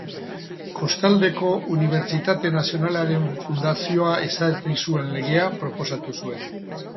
Kostaldeko Unibertsitate Nazionalaren fundazioa ezarri zuen legea proposatu zuen.